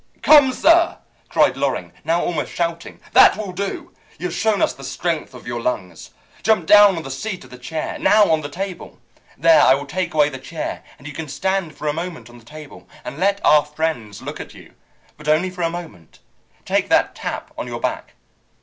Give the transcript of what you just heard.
"Come, sir," cried Loring, now almost shouting, "that will do. You have shown us the strength of your lungs. Jump down on the seat of the chair; now on the table. There, I will take away the chair, and you can stand for a moment on the table and let our friends look at you; but only for a moment. Take that tap on your back.